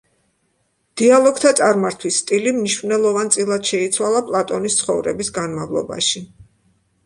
დიალოგთა წარმართვის სტილი მნიშვნელოვანწილად შეიცვალა პლატონის ცხოვრების განმავლობაში.